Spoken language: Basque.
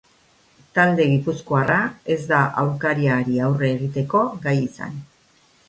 Talde gipuzkoarra ez da aurkariari aurre egiteko gai izan.